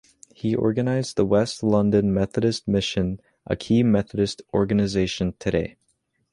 He organised the West London Methodist Mission, a key Methodist organisation today.